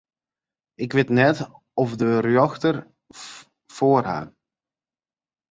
Ik wit net oft ik de rjochte foar haw.